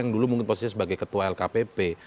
yang dulu mungkin posisi sebagai ketua lkpp